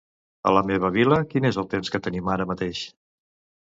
A la meva vila, quin és el temps que tenim ara mateix?